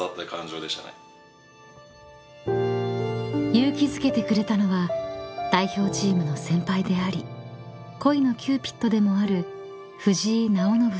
［勇気づけてくれたのは代表チームの先輩であり恋のキューピッドでもある］